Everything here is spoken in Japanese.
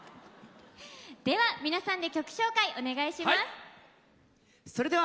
では、皆さんで曲紹介をお願いします。